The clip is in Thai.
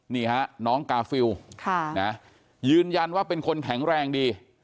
นี่ฮะน้องกาฟิลยืนยันว่าเป็นคนแข็งแรงดี